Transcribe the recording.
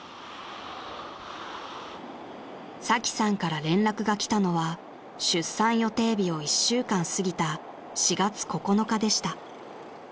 ［サキさんから連絡が来たのは出産予定日を一週間過ぎた４月９日でした］